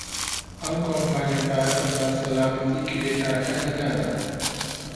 ئەم کۆمپانیایە بایەخ بە سەلامەتیی کرێکارەکانی نادات.